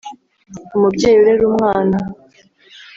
umubyeyi urera umwana